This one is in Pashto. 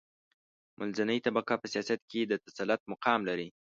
منځنۍ طبقه په سیاست کې د تسلط مقام لري.